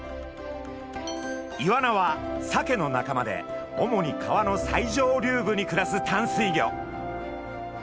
イワナはサケの仲間で主に川の最上流部に暮らす淡水魚。